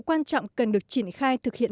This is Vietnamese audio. quan trọng cần được triển khai thực hiện